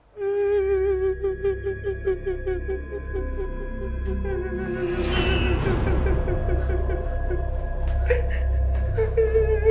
tidak ada yang tahu